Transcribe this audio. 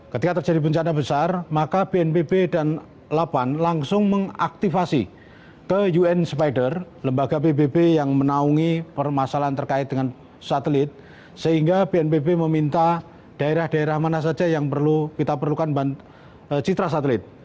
ketika terjadi bencana besar maka bnpb dan lapan langsung mengaktifasi ke un spider lembaga pbb yang menaungi permasalahan terkait dengan satelit sehingga bnpb meminta daerah daerah mana saja yang perlu kita perlukan citra satelit